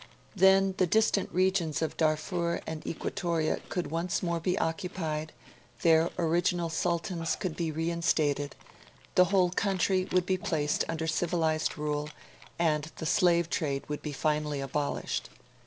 Then the distant regions of Darfur and Equatoria could once more be occupied; their original Sultans could be reinstated; the whole country would be placed under civilised rule; and the slave trade would be finally abolished.